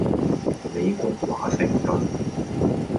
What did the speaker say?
美國華盛頓